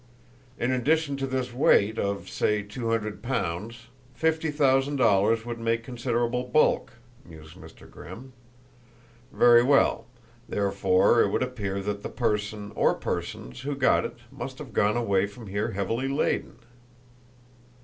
"In addition to this weight of, say two hundred pounds, fifty thousand dollars would make considerable bulk," mused Mr. Grimm. "Very well! Therefore it would appear that the person, or persons, who got it must have gone away from here heavily laden?"